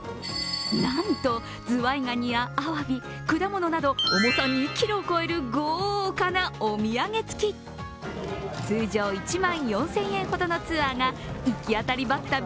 なんと、ズワイガニやアワビ果物など重さ２ｋｇを超える豪華なお土産つき通常１万４０００円ほどのツアーが行きあたりばっ